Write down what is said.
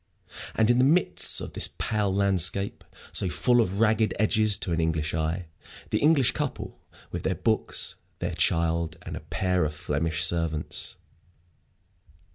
And in the midst of this pale landscape, so full of ragged edges to an English eye, the English couple, with their books, their child, and a pair of Flemish servants.